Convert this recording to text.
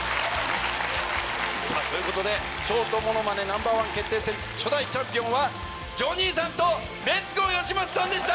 「ショートものまねＮｏ．１決定戦」初代チャンピオンはジョニーさんとレッツゴーよしまささんでした！